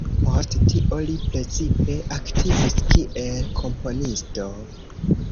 Post tio li precipe aktivis kiel komponisto.